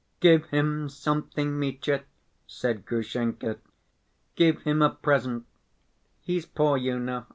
"Give him something, Mitya," said Grushenka. "Give him a present, he's poor, you know.